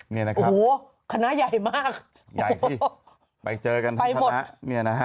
นี่นะครับโอ้โหคณะใหญ่มากใหญ่สิไปเจอกันทั้งคณะเนี่ยนะฮะ